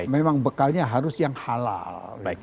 memang bekalnya harus yang halal